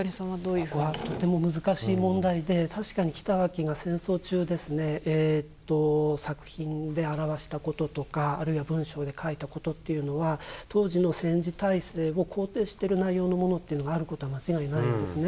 ここはとても難しい問題で確かに北脇が戦争中ですね作品で表したこととかあるいは文章で書いたことっていうのは当時の戦時体制を肯定している内容のものっていうのがあることは間違いないんですね。